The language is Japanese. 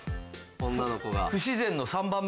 女の子が。